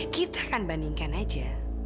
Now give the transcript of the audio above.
kita akan bandingkan aja